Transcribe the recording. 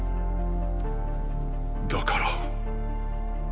だから。